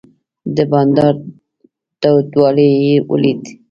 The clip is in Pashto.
د بانډار تودوالی یې ولید.